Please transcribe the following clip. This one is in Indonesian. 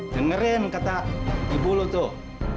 dengerin kata ibu lu tuh